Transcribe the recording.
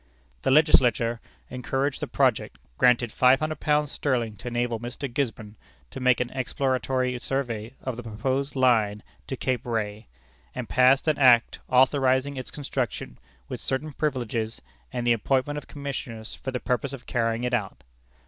The Legislature encouraged the project, granted £500 sterling to enable Mr. Gisborne to make an exploratory survey of the proposed line to Cape Ray, and passed an act authorizing its construction, with certain privileges, and the appointment of commissioners for the purpose of carrying it out.